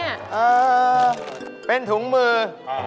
เออเป็นถุงมือ